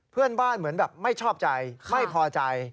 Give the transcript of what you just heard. เพื่อนบ้านเหมือนแบบไม่ชอบใจไม่พอใจ